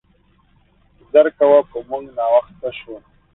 زر کوه, په مونګ ناوخته شو.